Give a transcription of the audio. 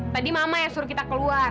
tadi mama yang suruh kita keluar